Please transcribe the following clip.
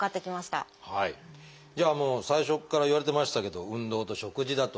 じゃあもう最初から言われてましたけど運動と食事だと。